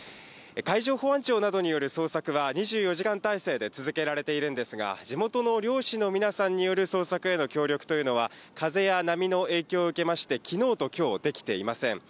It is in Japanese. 海上保安庁などによる捜索は２４時間態勢で続けられているんですが、地元の漁師の皆さんによる捜索への協力というのは、風や波の影響を受けまして、きのうときょう、できていません。